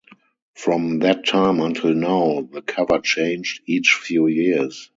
From that time until now the cover changed each few years.